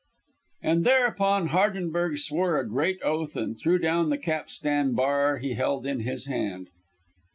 And thereupon Hardenberg swore a great oath and threw down the capstan bar he held in his hand.